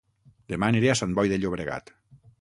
Dema aniré a Sant Boi de Llobregat